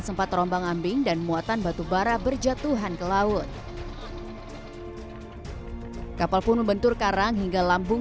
sempat terombang ambing dan muatan batu bara berjatuhan ke laut kapal pun membentur karang hingga lambung